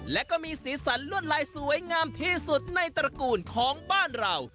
และก็มีสีสันลวดลายสวยงามที่สุดในตระกูลของบ้านเรา